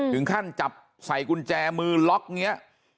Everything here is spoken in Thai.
ถึงขั้นจับใส่กุญแจมือล็อกเนี่ย